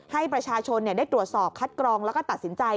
ให้ประชาชนได้ตรวจสอบคัดกรองแล้วก็ตัดสินใจ